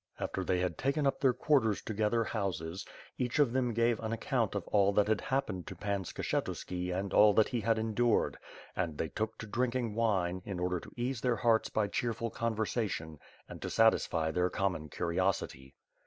After they had taken up their quarters to gether houses, each of them gave an account of all that had happened to Pan Skshetuski and all that he .had endured; and then they took to drinking wine, in order to ease their hearts by cheerful conversation and to satisfy their common curiosity.